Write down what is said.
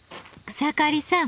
草刈さん